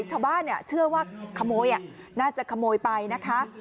ชาวบ้านเชื่อว่าขโมยน่าจะขโมยไปนะคะ